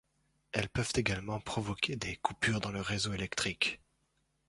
Elles peuvent également provoquer des coupures dans le réseau électrique.